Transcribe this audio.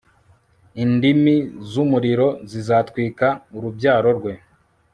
indimi z'umuriro zizatwika urubyaro rwe